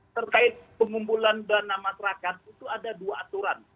terkait pengumpulan dana masyarakat itu ada dua aturan